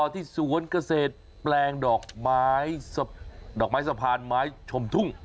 ที่สวนเกษตรแปลงดอกไม้ดอกไม้สะพานไม้ชมทุ่ง